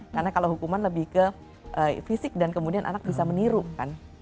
karena kalau hukuman lebih ke fisik dan kemudian anak bisa meniru kan